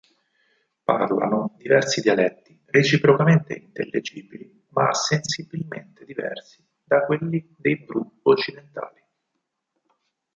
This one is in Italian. Parlano diversi dialetti reciprocamente intelligibili, ma sensibilmente diversi da quelli dei bru occidentali.